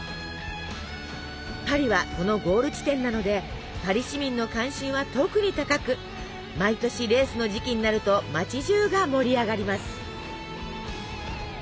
パリはそのゴール地点なのでパリ市民の関心は特に高く毎年レースの時期になると町じゅうが盛り上がります。